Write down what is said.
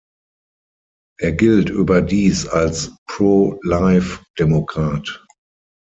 Er gilt überdies als Pro-Life-Demokrat.